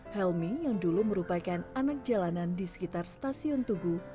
helmi yang dulu merupakan anak jalanan di sekitar stasiun tugu